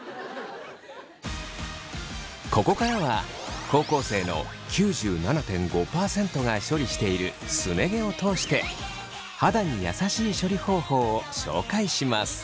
ここからは高校生の９７．５％が処理しているすね毛を通して「肌に優しい」処理方法を紹介します。